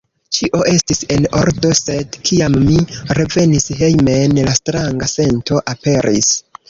Ĉio estis en ordo, sed kiam mi revenis hejmen, la stranga sento aperis.